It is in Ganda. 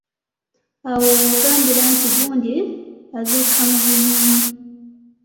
Awo w'ogambira nti gundi azuukuka mu bunnyonyi.